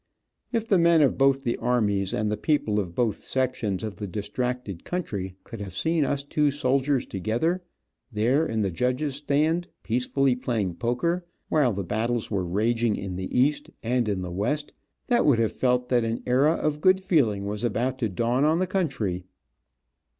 If the men of both the armies, and the people of both sections of the distracted country could have seen us two soldiers together, there in the judges stand, peacefully playing poker, while the battles were raging in the East and in the West, that would have felt that an era of good feeling was about to dawn on the country.